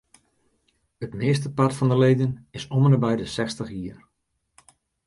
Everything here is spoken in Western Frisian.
It meastepart fan de leden is om ende by de sechstich jier.